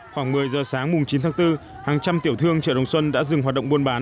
khoảng một mươi giờ sáng chín tháng bốn hàng trăm tiểu thương chợ đồng xuân đã dừng hoạt động buôn bán